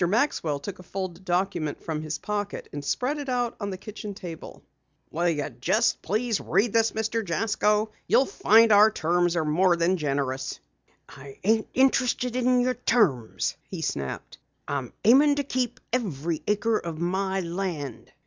Maxwell took a folded document from his pocket and spread it out on the kitchen table. "Will you just read this, please, Mr. Jasko? You'll find our terms are more than generous." "I ain't interested in your terms," he snapped. "I'm aimin' to keep every acre of my land."